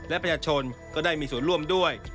และประชาชนก็ได้มีส่วนร่วมด้วย